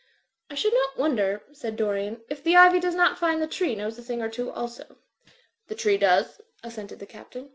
''I should not wonder/' said Dorian, "if the ivy does not find the tree knows a thing or two also/' "The tree does," assented the Captain.